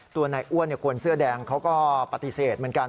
ตัวนายอ้วนคนเสื้อแดงเขาก็ปฏิเสธเหมือนกัน